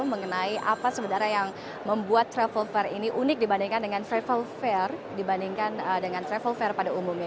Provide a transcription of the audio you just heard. mengenai apa yang membuat travel fair ini unik dibandingkan travel fair pada umumnya